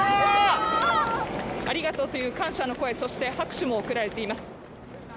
「ありがとう」という感謝の声そして拍手も送られています。